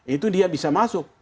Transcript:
itu dia bisa masuk